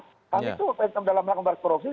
kan itu pembentukan undang undang kembar korupsi